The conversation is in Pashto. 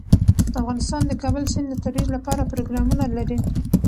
افغانستان د کابل سیند د ترویج لپاره پروګرامونه لري.